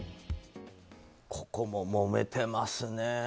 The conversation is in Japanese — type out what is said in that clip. ここももめていますね。